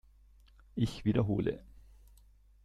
Ich wiederhole!